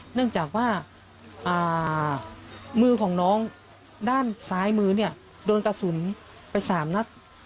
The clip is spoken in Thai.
เนื่องจากว่ามือของน้องด้านซ้ายมือเนี่ยโดนกระสุนไป๓นัด